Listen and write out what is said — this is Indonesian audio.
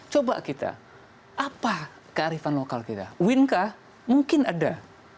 coba kita apa kearifan lokal kita win kah mungkin ada